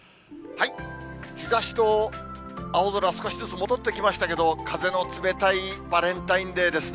日ざしと青空、少しずつ戻ってきましたけど、風の冷たいバレンタインデーですね。